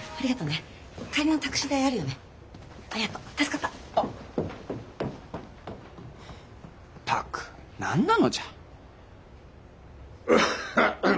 ったく何なのじゃ。